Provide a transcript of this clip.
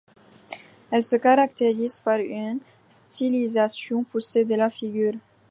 Elles se caractérisent par une stylisation poussée de la figure.